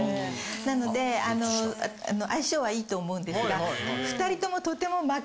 なので相性はいいと思うんですが。